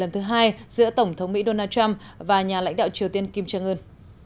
lần thứ hai giữa tổng thống mỹ donald trump và nhà lãnh đạo triều tiên kim trang ơn